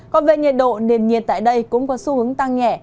còn về nhiệt độ nền nhiệt tại đây cũng có xu hướng tăng nhẹ